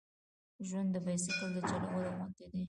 ژوند د بایسکل د چلولو غوندې دی.